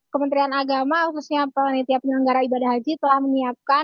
kementerian agama khususnya panitia penyelenggara ibadah haji telah menyiapkan